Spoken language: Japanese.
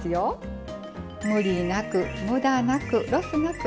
無理なくムダなくロスなく。